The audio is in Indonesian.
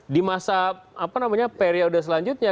di masa periode selanjutnya